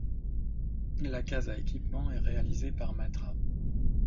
La case à équipement est réalisée par Matra.